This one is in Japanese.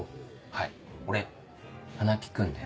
はい俺鼻利くんで。